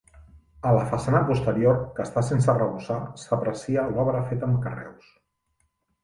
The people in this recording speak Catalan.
A la façana posterior, que està sense arrebossar, s'aprecia l'obra feta amb carreus.